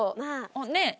ねえ。